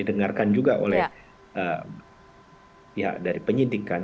dengarkan juga oleh pihak dari penyidikan